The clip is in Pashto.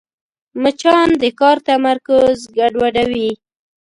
مچان د کار تمرکز ګډوډوي